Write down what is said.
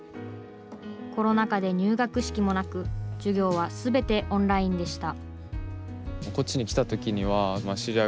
コロナ禍で入学式もなく授業は全てオンラインでした。